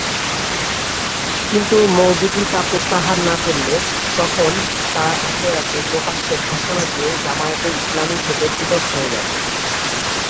কিন্তু মওদুদী তা প্রত্যাহার না করলে, তখন তারা একে একে প্রকাশ্যে ঘোষণা দিয়ে জামায়াতে ইসলামী থেকে পৃথক হয়ে গেছেন।